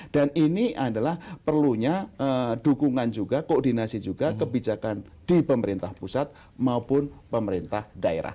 dan ini adalah perlunya dukungan juga koordinasi juga kebijakan di pemerintah pusat maupun pemerintah daerah